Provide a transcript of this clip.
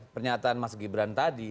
pernyataan mas gibran tadi